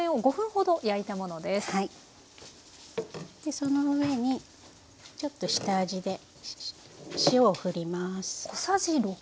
その上にちょっと下味で塩を振ります。